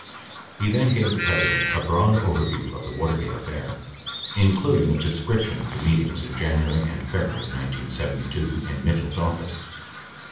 He then gave the President a broad overview of the Watergate affair, including a description of the meetings in January and February 1972 87 in Mitchell's office.